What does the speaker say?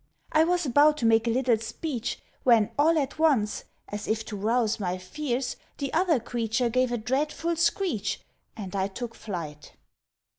I was about to make a little speech, When, all at once, as if to rouse my fears, The other creature gave a dreadful screech, And I took flight."